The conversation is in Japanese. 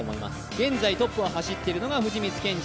現在トップを走っているのが藤光謙司。